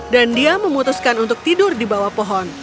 dan dia memutuskan untuk tidur di bawah pohon